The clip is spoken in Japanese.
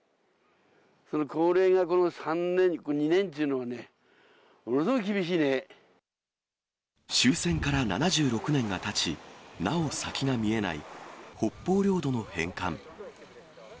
その高齢のこの３年、２年ってい終戦から７６年がたち、なお先が見えない北方領土の返還。